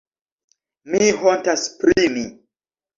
Mi hontas pri mi.